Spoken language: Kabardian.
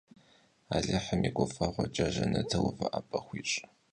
Allıhım yi guş'eğuç'e jjenetır vuvı'ep'e xuiş'!